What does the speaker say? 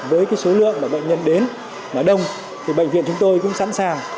với số lượng bệnh nhân đến đông thì bệnh viện chúng tôi cũng sẵn sàng